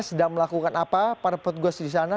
sedang melakukan apa para petugas di sana